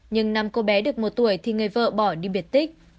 nhưng năm cô bé được một tuổi thì người vợ bỏ đi biệt tích